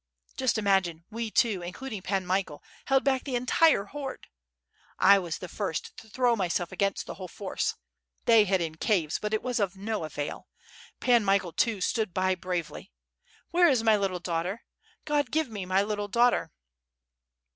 Just imagine, we two, including Pan Michael, held back the entire horde. I was the first to throw myself against the whole force. They hid in caves, but it was of no avail. Pan Michael too, stood by bravely. ... Where is my little daughter? Give me my little daughter."